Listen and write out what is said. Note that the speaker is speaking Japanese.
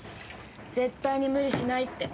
絶対に無理しないって。